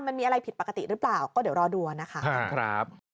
มันมีอะไรผิดปกติหรือเปล่าก็เดี๋ยวรอดูนะคะ